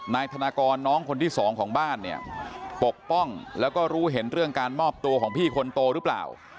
นายธนากรน้องคนที่สองของบ้านเนี่ยปกป้องแล้วก็รู้เห็นเรื่องการมอบตัวของพี่คนโตหรือเปล่า